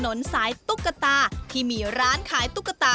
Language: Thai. กับการเปิดลอกจินตนาการของเพื่อนเล่นวัยเด็กของพวกเราอย่างโลกของตุ๊กตา